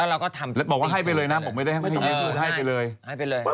แล้วเราก็ทำเองสินะ